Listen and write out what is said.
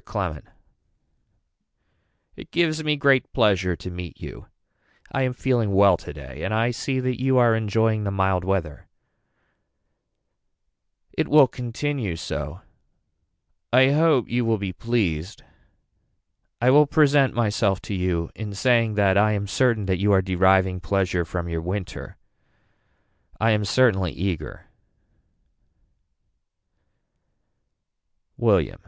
Mr. Clement. It gives me great pleasure to meet you. I am feeling well today and I see that you are enjoying the mild weather. It will continue so. I hope you will be pleased. I will present myself to you in saying that I am certain that you are deriving pleasure from your winter. I am certainly eager. William.